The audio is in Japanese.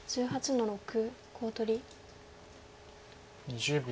２０秒。